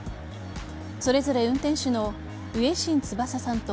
それぞれ運転手の植新翼さんと